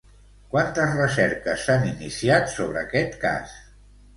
Quantes recerques s'han iniciat sobre aquest cas?